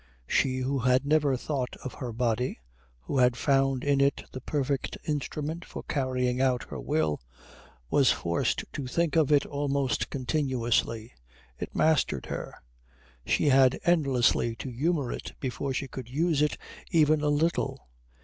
She who had never thought of her body, who had found in it the perfect instrument for carrying out her will, was forced to think of it almost continuously. It mastered her. She had endlessly to humour it before she could use it even a little.